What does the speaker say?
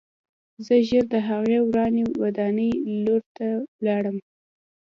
زه ژر د هغې ورانې ودانۍ لور ته لاړم